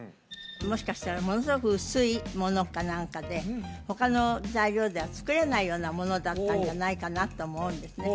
もしかしたらものすごく薄いものか何かで他の材料では作れないようなものだったんじゃないかなと思うんですね